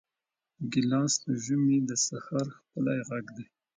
ګیلاس د ژمي د سحر ښکلی غږ دی.